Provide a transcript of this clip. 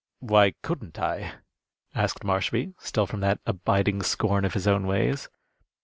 "Why couldn't I?" asked Marshby, still from that abiding scorn of his own ways.